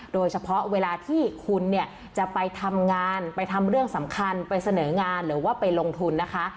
เวลาที่คุณเนี่ยจะไปทำงานไปทำเรื่องสำคัญไปเสนองานหรือว่าไปลงทุนนะคะ